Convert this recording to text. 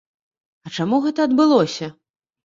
А чаму гэта адбылося?